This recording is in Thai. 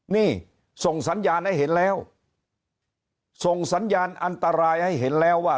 นี่ส่งสัญญาณให้เห็นแล้วส่งสัญญาณอันตรายให้เห็นแล้วว่า